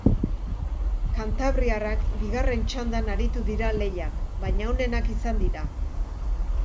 Kantabriarrak bigarren txandan aritu dira lehian, baina onenak izan dira.